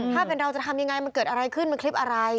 ถ้าเป็นเราจะทำยังไงมันเกิดอะไรขึ้นมันคลิปอะไร